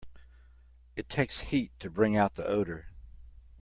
It takes heat to bring out the odor.